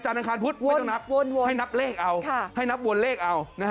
อังคารพุธไม่ต้องนับให้นับเลขเอาให้นับวนเลขเอา